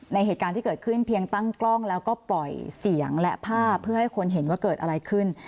เหตุการณ์ที่เกิดขึ้นเพียงตั้งกล้องแล้วก็ปล่อยเสียงและภาพเพื่อให้คนเห็นว่าเกิดอะไรขึ้น